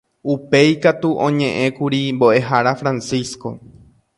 Upéikatu oñe'ẽkuri mbo'ehára Francisco